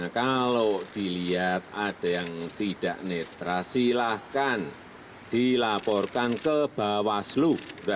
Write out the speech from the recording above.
kalau dilihat ada yang tidak netral silahkan dilaporkan ke bawaslu